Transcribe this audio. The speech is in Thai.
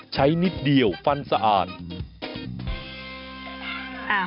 ใช่คนก็รอนะ